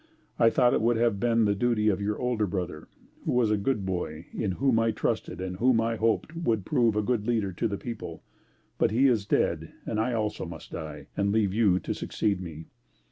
I thought it would have been the duty of your older brother, who was a good boy in whom I trusted and who I hoped would prove a good leader to the people, but he is dead, and I also must die, and leave you to succeed me.